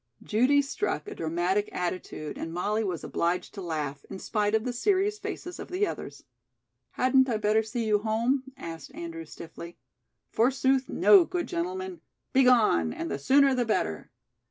Judy struck a dramatic attitude and Molly was obliged to laugh, in spite of the serious faces of the others. "Hadn't I better see you home?" asked Andrew stiffly. "Forsooth, no, good gentleman. Begone, and the sooner the better."